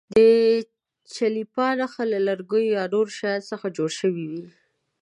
د چلیپا نښه له لرګیو یا نورو شیانو څخه جوړه شوې وي.